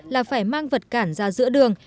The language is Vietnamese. là phải mang vật cản ra giữa đường